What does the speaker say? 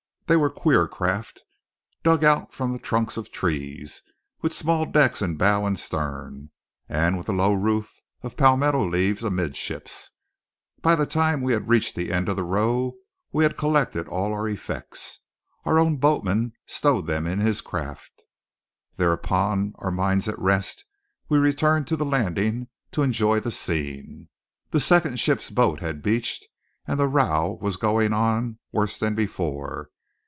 They were queer craft, dug out from the trunks of trees, with small decks in bow and stern, and with a low roof of palmetto leaves amidships. By the time we had reached the end of the row we had collected all our effects. Our own boatman stowed them in his craft. Thereupon, our minds at rest, we returned to the landing to enjoy the scene. The second ship's boat had beached, and the row was going on, worse than before.